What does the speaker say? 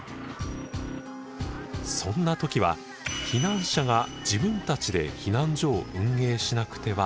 そんな時は避難者が自分たちで避難所を運営しなくてはなりません。